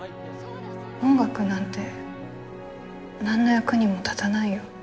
音楽なんて何の役にも立たないよ。